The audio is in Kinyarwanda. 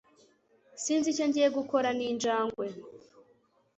Sinzi icyo ngiye gukora ninjangwe